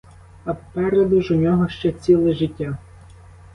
А попереду ж у нього ще ціле життя.